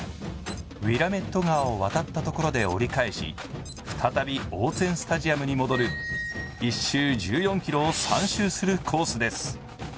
ウィラメット川を渡ったところで折り返し再びオーツェン・スタジアムで戻る１周１４ｋｍを３周するコースです。